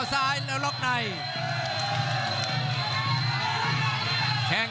คมทุกลูกจริงครับโอ้โห